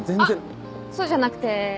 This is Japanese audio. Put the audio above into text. あそうじゃなくて。